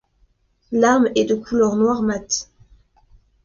L'arme est de couleur noire mate.